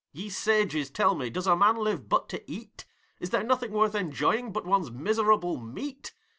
Ye sages tell me! Does a man live but to eat? Is there nothing worth enjoying but one's miserable meat?